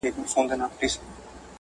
ما ورته وويل.